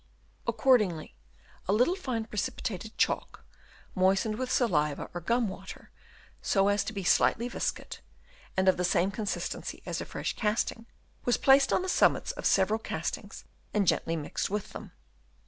Accordingly a little fine precipi tated chalk, moistened with saliva or gum water, so as to be slightly viscid and of the same consistence as a fresh casting, was placed on the summits of several castings and gently mixed with them.